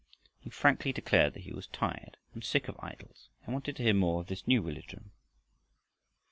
He frankly declared that he was tired and sick of idols and wanted to hear more of this new religion.